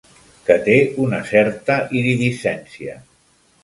Que té una certa iridiscència.